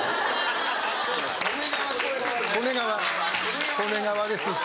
利根川利根川でスッと。